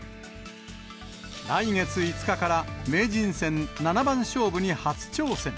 来月５日から、名人戦七番勝負に初挑戦。